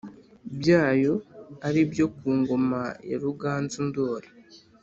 Byayo ari ibyo ku ngoma ya ruganzu ndori